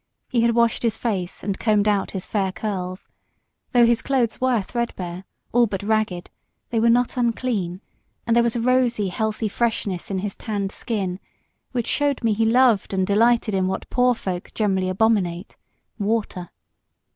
He had washed his face and combed out his fair curls; though his clothes were threadbare, all but ragged, they were not unclean; and there was a rosy, healthy freshness in his tanned skin, which showed he loved and delighted in what poor folk generally abominate water.